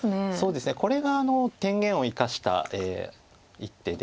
これが天元を生かした一手で。